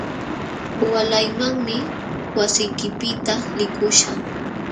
Waalaymanmi wasiykipiqta likuśhaq.